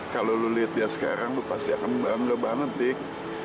kalau lo lihat dia sekarang lo pasti akan gembangan banget dik